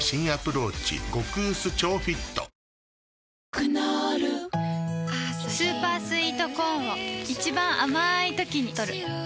クノールスーパースイートコーンを一番あまいときにとる